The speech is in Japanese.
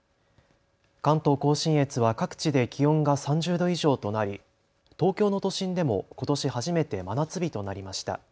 関東甲信越は各地で気温が３０度以上となり東京の都心でもことし初めて真夏日となりました。